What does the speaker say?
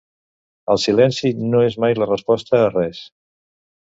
El silenci no és mai la resposta a res.